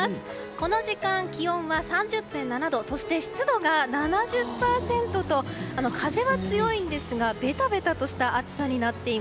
この時間、気温は３０．７度そして湿度が７０％と風は強いんですがべたべたした暑さです。